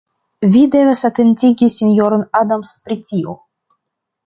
Vi devas atentigi sinjoron Adams pri tio.